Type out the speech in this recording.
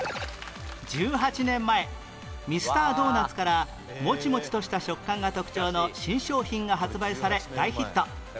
１８年前ミスタードーナツからモチモチとした食感が特徴の新商品が発売され大ヒット